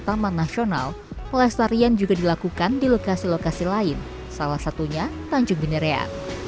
taman nasional pelestarian juga dilakukan di lokasi lokasi lain salah satunya tanjung binerea